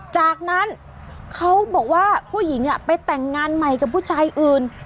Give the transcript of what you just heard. จากนั้นเขาบอกว่าผู้หญิงไปแต่งงานใหม่กับผู้ชายอื่น